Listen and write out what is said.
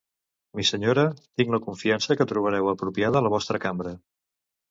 Missenyora, tinc la confiança que trobareu apropiada la vostra cambra.